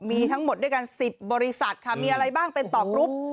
มีทั้งหมดด้วยกัน๑๐บริษัทค่ะมีอะไรบ้างเป็นต่อกรุ๊ป